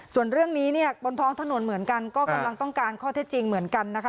ส่วนเรื่องนี้เนี่ยบนท้องถนนเหมือนกันก็กำลังต้องการข้อเท็จจริงเหมือนกันนะคะ